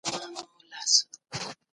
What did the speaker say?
یو له بله تبریکۍ سوې اتڼونه